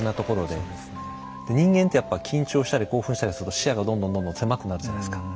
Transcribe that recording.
で人間ってやっぱ緊張したり興奮したりすると視野がどんどんどんどん狭くなるじゃないですか。